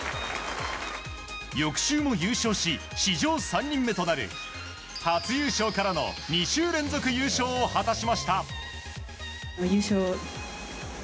翌週も優勝し、史上３人目となる初優勝からの２週連続優勝を果たしました。